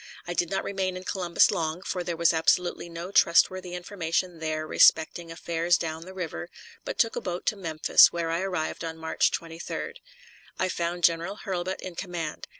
I did not remain in Columbus long, for there was absolutely no trustworthy information there respecting affairs down the river, but took a boat to Memphis, where I arrived on March 23d. I found General Hurlbut in command.